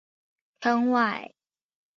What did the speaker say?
坑外东南不远有一处反照率较低的区域。